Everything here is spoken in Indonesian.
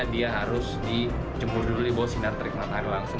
dia harus dijemur dulu dibawah sinar terik matahari langsung